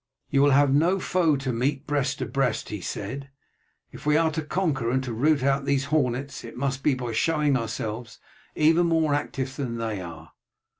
"You will have no foe to meet breast to breast," he said; "if we are to conquer and to root out these hornets it must be by showing ourselves even more active than they are.